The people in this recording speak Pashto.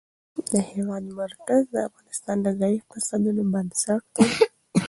د هېواد مرکز د افغانستان د ځایي اقتصادونو بنسټ دی.